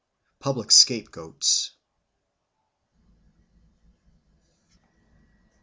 Public Scapegoats 1.